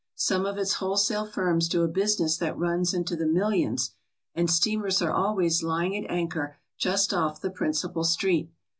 Some of its wholesale firms do a business that runs into the millions, and steamers are always lying at anchor just off the principal street.